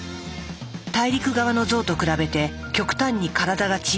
大陸側のゾウと比べて極端に体が小さい。